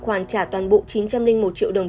khoản trả toàn bộ chín trăm linh một triệu đồng